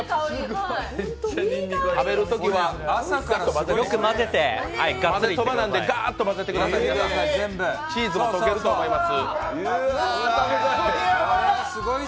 食べるときはまぜそばなんでガーッと混ぜてください、チーズも溶けると思います。